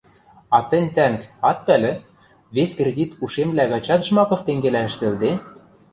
— А тӹнь, тӓнг, ат пӓлӹ, вес кредит ушемвлӓ гачат Жмаков тенгелӓ ӹштӹлде?